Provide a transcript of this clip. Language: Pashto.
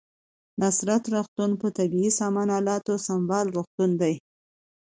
نصرت روغتون په طبي سامان الاتو سمبال روغتون دی